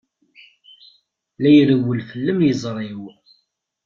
La irewwel fell-am yiẓri-w.